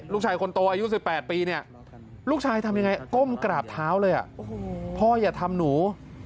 ลูกชายคนโตอายุ๑๘ปีเนี่ยลูกชายทำยังไงก้มกราบเท้าเลยพ่ออย่าทำหนู